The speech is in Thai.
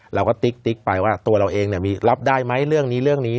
ติ๊กไปว่าตัวเราเองรับได้ไหมเรื่องนี้เรื่องนี้